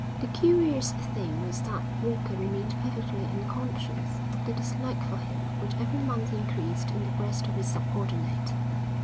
The curious thing was that Walker remained perfectly unconscious of the dislike for him which every month increased in the breast of his subordinate.